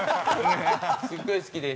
すごい好きです。